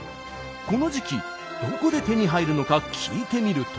この時期どこで手に入るのか聞いてみると。